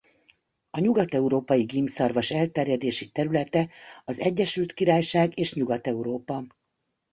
A nyugat-európai gímszarvas elterjedési területe az Egyesült Királyság és Nyugat-Európa.